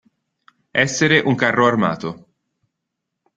Essere un carro armato.